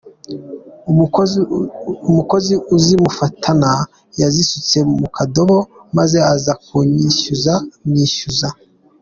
umukozi azimufatana yazisutse mu kadobo maze aza kuzinyishyuza mwishyura.